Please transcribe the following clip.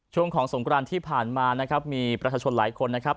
ช่วงของสงกรานที่ผ่านมานะครับมีประชาชนหลายคนนะครับ